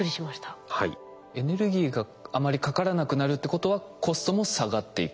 エネルギーがあまりかからなくなるってことはコストも下がっていく。